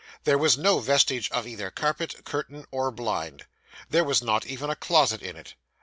There was no vestige of either carpet, curtain, or blind. There was not even a closet in it.